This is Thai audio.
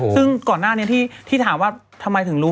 ซึ่งก่อนหน้านี้ที่ถามว่าทำไมถึงรู้